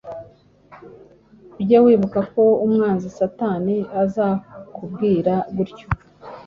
Ujye wibuka ko umwanzi Satani azakubwira gutyo